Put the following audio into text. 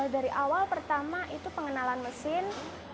dari awal pertama itu pengenalan mesin